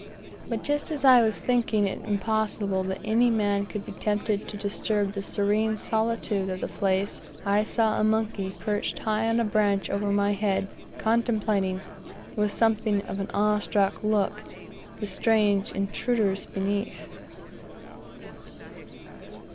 But just as I was thinking it impossible that any man could be tempted to disturb the serene solitude of the place, I saw a monkey perched high on a branch over my head, contemplating, with something of an awe struck look, the strange intruders beneath.